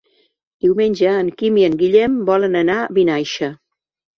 Diumenge en Quim i en Guillem volen anar a Vinaixa.